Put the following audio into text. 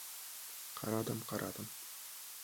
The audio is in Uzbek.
Qaradim-qaradim...